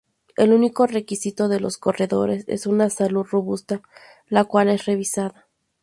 El único requisito de los corredores es una salud robusta, la cual es revisada.